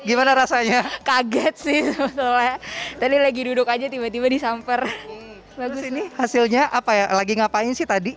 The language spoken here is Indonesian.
ini hasilnya apa ya lagi ngapain sih tadi